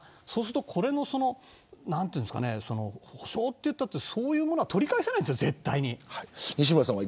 これの補償と言ったってそういうものは取り返せないんですよ、絶対に。